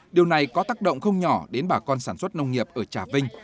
điều này có tác động không nhỏ đến bà con sản xuất nông nghiệp ở trà vinh